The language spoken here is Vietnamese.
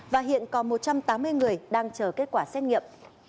và hiện còn một trăm tám mươi người đang chờ kết quả xét nghiệm